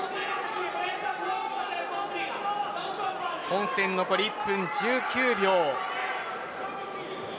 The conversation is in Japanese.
本戦、残り１分１９秒。